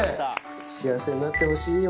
幸せになってほしいよ。